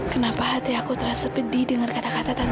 kenapa hati aku terasa pedih dengan kata kata tanpa